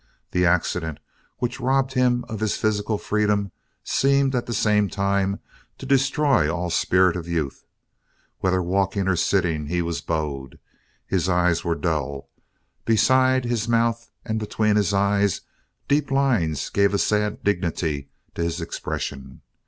The accident which robbed him of his physical freedom seemed, at the same time, to destroy all spirit of youth. Whether walking or sitting he was bowed. His eyes were dull. Beside his mouth and between his eyes deep lines gave a sad dignity to his expression.